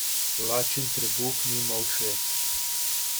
Lačen trebuh nima ušes.